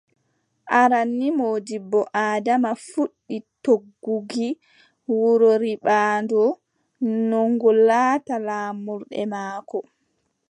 Aran nii Moodibbo Adama fuɗɗi togguki wuro Ribaaɗo no ngo laata laamurde maako.